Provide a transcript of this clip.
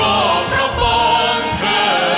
ยอมอาสันก็พระปองเทศพองไทย